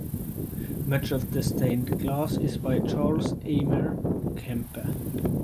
Much of the stained glass is by Charles Eamer Kempe.